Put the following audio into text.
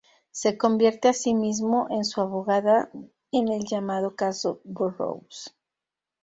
Se convierte asimismo en su abogada en el llamado "Caso Burrows".